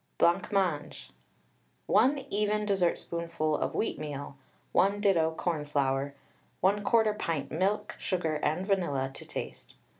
BLANCMANGE. 1 even dessertspoonful of wheatmeal, 1 ditto cornflour, 1/4 pint milk, sugar and vanilla to taste.